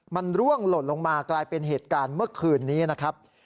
มันร่วงหล่นลงมากลายเป็นเหตุการณ์เมื่อคืนนี้นะครับ